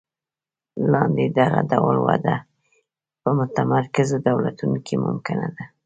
لاندې دغه ډول وده په متمرکزو دولتونو کې ممکنه ده.